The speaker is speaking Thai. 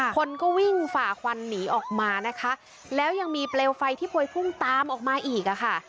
คนก็วิ่งฝ่าควันหนีออกมานะคะแล้วยังมีเปลวไฟที่พวยพุ่งตามออกมาอีกอ่ะค่ะ